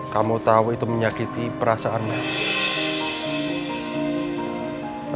kamu tau itu menyakiti perasaan mel